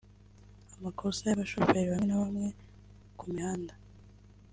amakosa y’abashoferi bamwe na bamwe ku mihanda